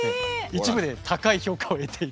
一部で高い評価を得ている。